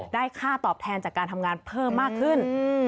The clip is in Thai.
ค่าตอบแทนจากการทำงานเพิ่มมากขึ้น